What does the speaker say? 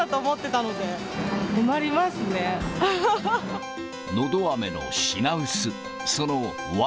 のどあめの品薄。